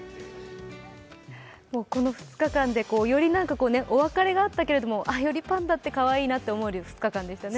この２日間でよりお別れがあったけれども、よりパンダってかわいいなって思える２日間でしたね。